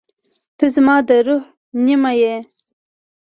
• ته زما د روح نیمه یې.